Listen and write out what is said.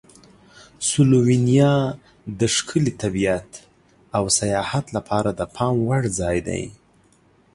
سلووینیا د ښکلي طبیعت او سیاحت لپاره د پام وړ ځای دی.